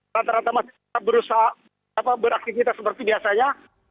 rata rata masih tetap berusaha beraktivitas seperti biasanya